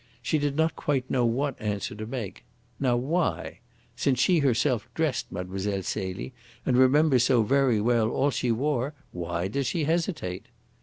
She did not quite know what answer to make. Now, why? Since she herself dressed Mile. Celie, and remembers so very well all she wore, why does she hesitate?